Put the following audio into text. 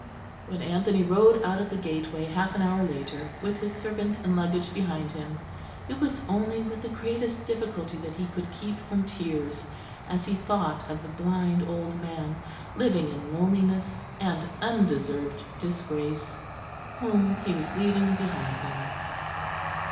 When Anthony rode out of the gateway half an hour later, with his servant and luggage behind him, it was only with the greatest difficulty that he could keep from tears as he thought of the blind old man, living in loneliness and undeserved disgrace, whom he was leaving behind him.